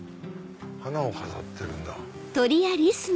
花を飾ってるんだ。